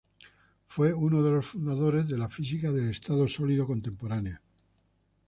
Fue uno de las fundadores de la física del estado sólido contemporánea.